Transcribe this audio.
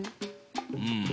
うん。